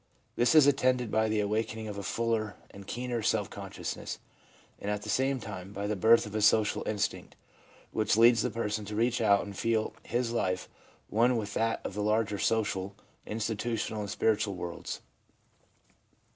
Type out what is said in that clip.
This is attended by the awaken ing of a fuller and keener self consciousness, and at the same time, by the birth of a social instinct, which leads the person to reach out and feel his life one with that of the larger social, institutional and spiritual worlds.